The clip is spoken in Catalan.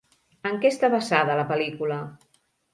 En què està basada la pel·lícula?